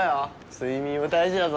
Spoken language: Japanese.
睡眠も大事だぞ。